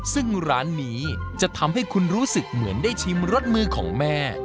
ซึ่งร้านนี้จะทำให้คุณรู้สึกเหมือนได้ชิมรสมือของแม่